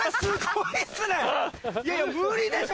いやいや無理でしょ！